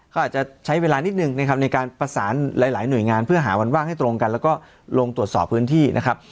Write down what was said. เขาอาจจะใช้เวลานิดหนึ่งนะครับในการประสานหลายหน่วยงานเพื่อหาวันว่างให้ตรงกันแล้วก็ลงตรวจสอบพื้นที่นะครับ